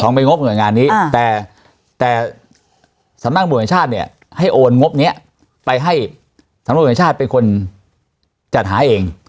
ไปงบหน่วยงานนี้แต่สำนักบวชแห่งชาติเนี่ยให้โอนงบนี้ไปให้สำนวนแห่งชาติเป็นคนจัดหาเอง